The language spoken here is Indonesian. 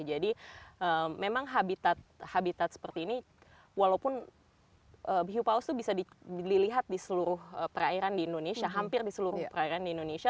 jadi memang habitat habitat seperti ini walaupun hiu paus itu bisa dilihat di seluruh perairan di indonesia hampir di seluruh perairan di indonesia